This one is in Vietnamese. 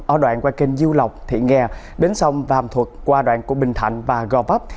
ở đoạn qua kênh dưu lọc thị nghè bến sông và hàm thuật qua đoạn của bình thạnh và gò vấp